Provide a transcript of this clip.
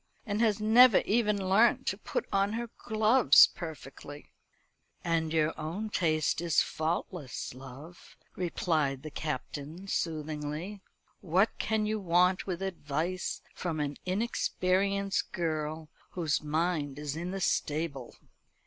and has never even learnt to put on her gloves perfectly." "And your own taste is faultless, love," replied the Captain soothingly. "What can you want with advice from an inexperienced girl, whose mind is in the stable?"